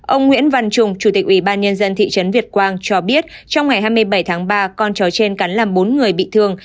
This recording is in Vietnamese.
ông nguyễn văn trùng chủ tịch ủy ban nhân dân thị trấn việt quang cho biết trong ngày hai mươi bảy tháng ba con chó trên cắn làm bốn người bị thương